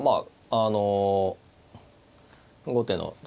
あの後手の都